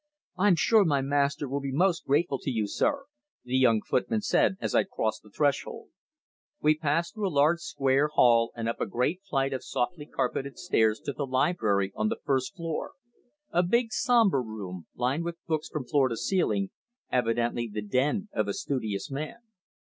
"I'm sure my master will be most grateful to you, sir," the young footman said as I crossed the threshold. We passed through a large square hall and up a great flight of softly carpeted stairs to the library on the first floor a big, sombre room, lined with books from floor to ceiling evidently the den of a studious man.